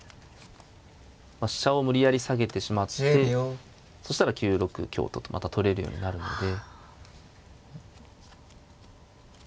飛車を無理やり下げてしまってそしたら９六香とまた取れるようになるんで。